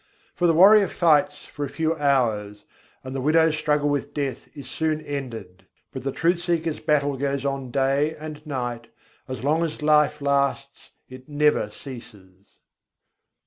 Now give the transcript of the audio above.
For the warrior fights for a few hours, and the widow's struggle with death is soon ended: But the truth seeker's battle goes on day and night, as long as life lasts it never ceases."